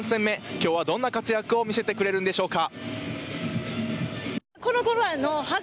今日はどんな活躍を見せてくれるんでしょうか。